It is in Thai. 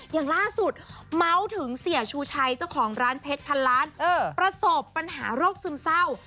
อย่างล่าสุดเมาส์ถึงเสียชูชัยเจ้าของร้านเพชรพันล้านประสบปัญหาโรคซึมเศร้า